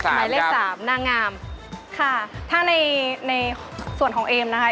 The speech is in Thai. หมายเลข๓นะครับนางงามค่ะถ้าในส่วนของเอมนะครับ